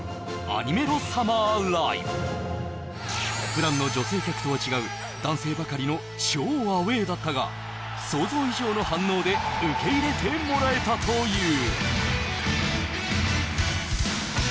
ふだんの女性客とは違う男性ばかりの超アウェーだったが、想像以上の反応で受け入れてもらえたという。